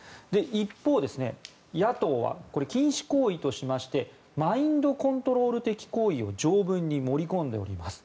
一方、野党は禁止行為としましてマインドコントロール的行為を条文に盛り込んでおります。